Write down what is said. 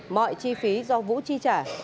mọi chi phí do vũ chi trả